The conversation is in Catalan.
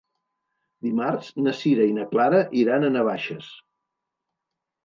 Dimarts na Sira i na Clara iran a Navaixes.